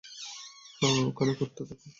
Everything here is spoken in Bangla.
হ্যাঁ, ওখানে খুড়তে থাকো।